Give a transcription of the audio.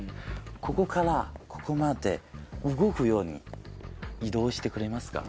ここからここまで動くように移動してくれますか。